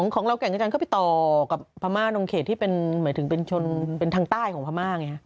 ของเราแก่งกระจันทร์ก็ไปต่อกับพม่านงเขตที่เป็นหมายถึงเป็นชนเป็นทางใต้ของพม่าไง